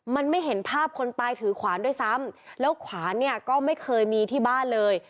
มันไม่เห็นภาพคนตายถือขวานด้วยซ้ำแล้วขวานเนี่ยก็ไม่เคยมีที่บ้านเลย